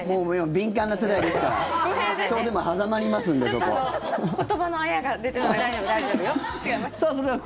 敏感な世代ですから。